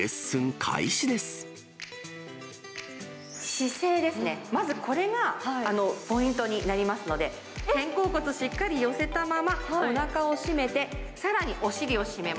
姿勢ですね、まずこれがポイントになりますので、肩甲骨しっかり寄せたまま、おなかを締めて、さらに、お尻も？